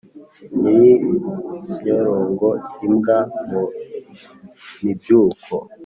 nyirampyorongo-imbwa mu mibyuko.